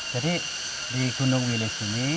jadi di gunung wilis ini